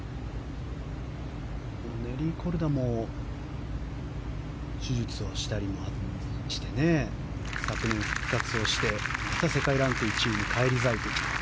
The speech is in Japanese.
ネリー・コルダも手術をしたりして昨年、復活をしてまた世界ランク１位に返り咲いてきた。